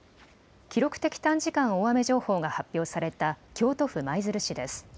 記録的短時間大雨情報が発表された京都府舞鶴市です。